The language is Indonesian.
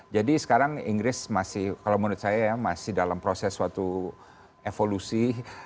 jadi sekarang inggris masih kalau menurut saya ya masih dalam proses suatu evolusi